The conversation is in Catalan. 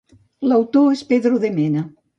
L'autor és Pedro de Mena.